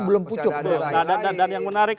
belum pucuk tuh dan yang menarik